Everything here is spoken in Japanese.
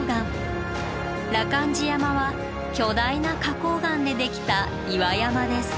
羅漢寺山は巨大な花崗岩でできた岩山です。